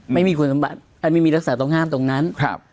ไม่มีคุณสมบัติอันไม่มีรักษาต้องห้ามตรงนั้นครับ